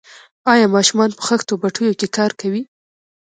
آیا ماشومان په خښتو بټیو کې کار کوي؟